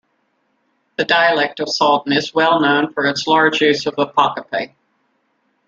The dialect of Salten is well known for its large use of apocope.